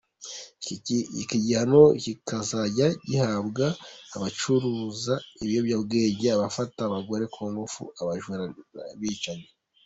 Iki gihano kikazajya gihabwa abacuruza ibiyobyabwenge, abafata abagore ku ngufu, abajura n’abicanyi.